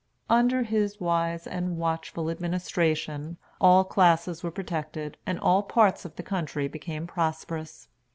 Under his wise and watchful administration all classes were protected, and all parts of the country became prosperous.